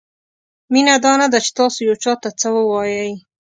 مینه دا نه ده چې تاسو یو چاته څه ووایئ.